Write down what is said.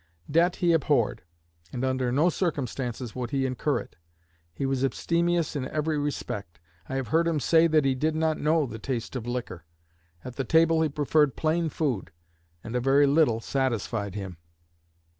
Debt he abhorred, and under no circumstances would he incur it. He was abstemious in every respect. I have heard him say that he did not know the taste of liquor. At the table he preferred plain food, and a very little satisfied him.